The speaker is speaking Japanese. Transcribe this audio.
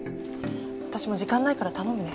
私もう時間ないから頼むね。